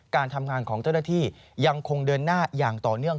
การทำงานของเจ้าหน้าที่ยังคงเดินหน้าอย่างต่อเนื่อง